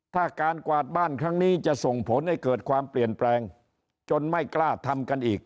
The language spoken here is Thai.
ถ้าการกวาดบ้านครั้งนี้จะส่งผลให้เกิดความเปลี่ยนแปลงจนไม่กล้าทำกันอีก